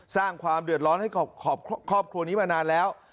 สร้างความเดือดร้อนให้ครอบครัวนี้มานานแล้ว